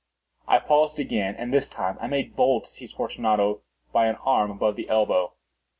I paused again, and this time I made bold to seize Fortunato by an arm above the elbow.